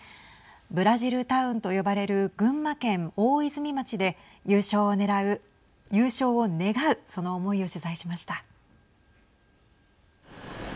ブラジルタウンと呼ばれる群馬県大泉町で優勝を願うその思いを取材しました。